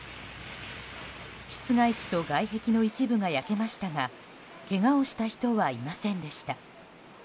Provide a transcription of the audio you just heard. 室外機と外壁の一部が焼けましたがけがをした人はいませんでした。